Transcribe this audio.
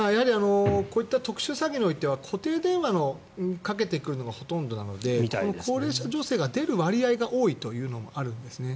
こういった特殊詐欺においては固定電話にかけてくるのがほとんどなので高齢者女性が出る割合が多いというのもあるんですね。